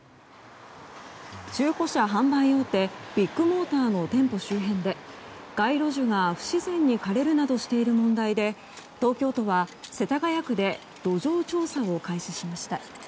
中古車販売大手ビッグモーターの店舗周辺で街路樹が不自然に枯れるなどしている問題で東京都は世田谷区で土壌調査を開始しました。